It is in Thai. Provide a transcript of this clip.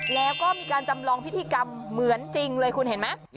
แล้วก็มีการจำลองพิธีกรรมเหมือนจริงเลยคุณเห็นไหม